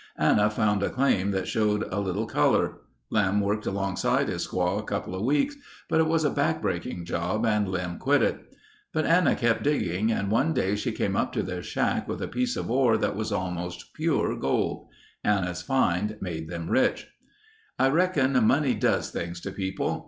Anna found a claim that showed a little color. Lem worked alongside his squaw a couple weeks, but it was a back breaking job and Lem quit it. But Anna kept digging and one day she came up to their shack with a piece of ore that was almost pure gold. Anna's find made them rich. "I reckon money does things to people.